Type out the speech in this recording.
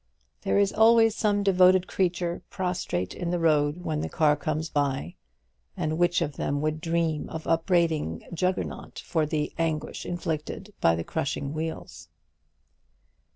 There is always some devoted creature prostrate in the road when the car comes by; and which of them would dream of upbraiding Juggernaut for the anguish inflicted by the crushing wheels?